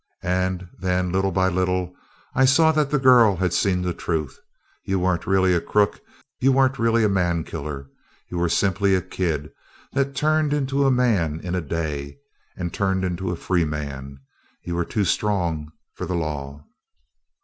And then, little by little, I saw that the girl had seen the truth. You weren't really a crook. You weren't really a man killer. You were simply a kid that turned into a man in a day and turned into a free man! You were too strong for the law.